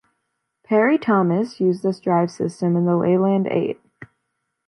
Parry-Thomas used this drive system in the Leyland Eight.